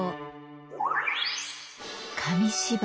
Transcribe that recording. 紙芝居